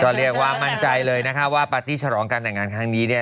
ก็เรียกว่ามั่นใจเลยนะคะว่าปาร์ตี้ฉลองการแต่งงานครั้งนี้เนี่ย